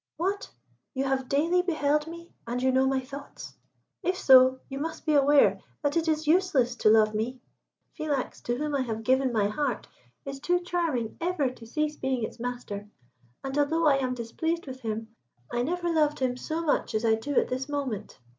"What! You have daily beheld me, and you know my thoughts? If so, you must be aware that it is useless to love me. Philax, to whom I have given my heart, is too charming ever to cease being its master, and although I am displeased with him, I never loved him so much as I do at this moment.